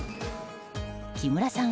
木村さん